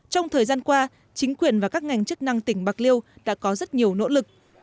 trong thời gian qua chính quyền và các ngành chức năng tỉnh bạc liêu đã có rất nhiều nỗ lực